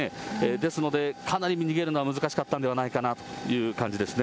ですので、かなり逃げるのは難しかったんではないかなという感じですね。